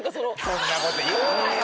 そんな事言うなよ。